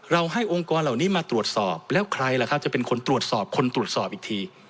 ให้องค์กรเหล่านี้มาตรวจสอบแล้วใครล่ะครับจะเป็นคนตรวจสอบคนตรวจสอบอีกที